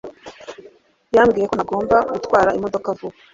Yambwiye ko ntagomba gutwara imodoka vuba